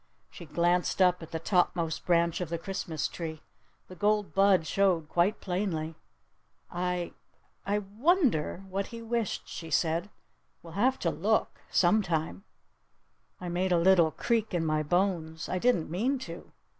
She glanced up at the topmost branch of the Christmas tree. The gold bud showed quite plainly. "I I wonder what he wished," she said. "We'll have to look some time." I made a little creak in my bones. I didn't mean to.